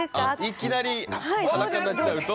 いきなり裸になっちゃうと？